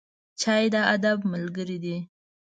چای د ادب ملګری دی.